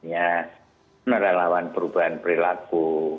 ya relawan perubahan perilaku